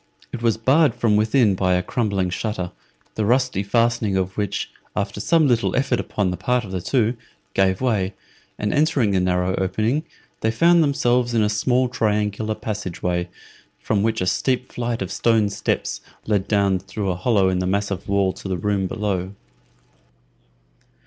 It was barred from within by a crumbling shutter, the rusty fastening of which, after some little effort upon the part of the two, gave way, and entering the narrow opening, they found themselves in a small triangular passage way, from which a steep flight of stone steps led down through a hollow in the massive wall to the room below.